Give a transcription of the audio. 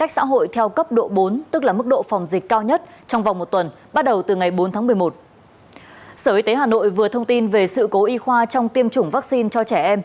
sở y tế hà nội vừa thông tin về sự cố y khoa trong tiêm chủng vaccine cho trẻ em